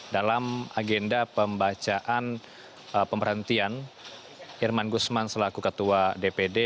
dalam agenda pembacaan pemberhentian irman gusman selaku ketua dpd